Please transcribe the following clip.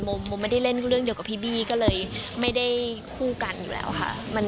โมไม่ได้เล่นเรื่องเดียวกับพี่บี้ก็เลยไม่ได้คู่กันอยู่แล้วค่ะ